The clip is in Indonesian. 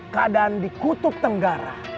keadaan di kutub tenggara